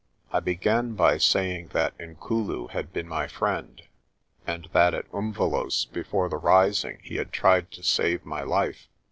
I began by saying that Inkulu had been my friend, and that at Umvelos' before the rising he had tried to save my life.